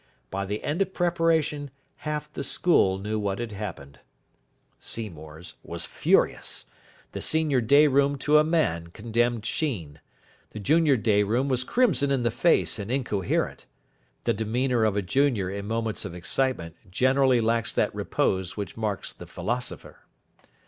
By the end of preparation half the school knew what had happened. Seymour's was furious. The senior day room to a man condemned Sheen. The junior day room was crimson in the face and incoherent. The demeanour of a junior in moments of excitement generally lacks that repose which marks the philosopher.